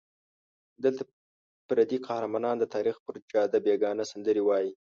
دلته پردي قهرمانان د تاریخ پر جاده بېګانه سندرې وایي.